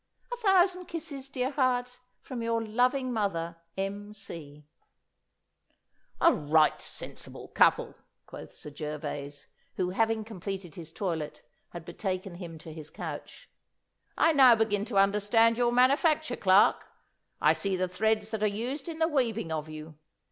A thousand kisses, dear heart, from your loving mother, M. C."' 'A right sensible couple,' quoth Sir Gervas, who, having completed his toilet, had betaken him to his couch. 'I now begin to understand your manufacture, Clarke. I see the threads that are used in the weaving of you.